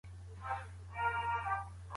اورنګ